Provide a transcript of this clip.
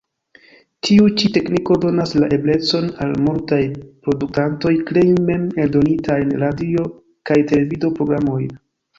Tiu ĉi tekniko donas la eblecon al multaj produktantoj krei mem-eldonitajn radio- kaj televido-programojn.